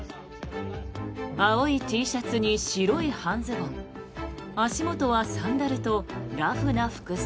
青いＴシャツに白い半ズボン足元はサンダルとラフな服装。